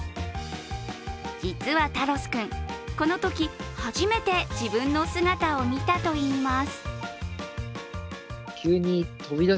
実はタロス君、このとき初めて自分の姿を見たといいます。